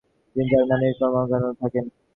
তিনি জার্মানিতে কর্মরত থাকেন।